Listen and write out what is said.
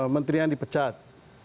menteri yang dipecat